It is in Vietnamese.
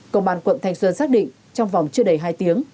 công an quận thanh xuân xác định trong vòng chưa đầy hai tiếng